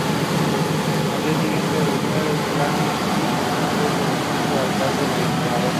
Al día siguiente reunió al plantel y presentó su renuncia al cargo de entrenador.